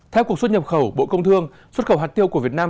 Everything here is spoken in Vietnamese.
theo cục xuất nhập khẩu bộ công thương xuất khẩu hạt tiêu của việt nam